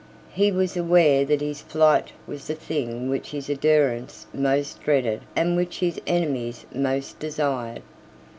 He was aware that his flight was the thing which his adherents most dreaded and which his enemies most desired.